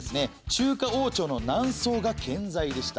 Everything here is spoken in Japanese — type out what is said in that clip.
中華王朝の南宋が健在でした。